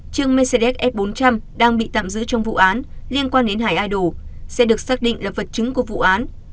trương mercedes f bốn trăm linh đang bị tạm giữ trong vụ án liên quan đến hải idol sẽ được xác định là vật chứng của vụ án